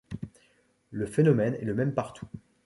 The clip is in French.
Le phénomène est le même partout.